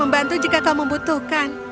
membantu jika kau membutuhkan